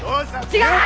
違う！